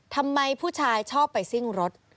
ทำไมผู้ชายชอบไปซิ่งรถ